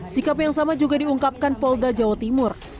sikap yang sama juga diungkapkan polda jawa timur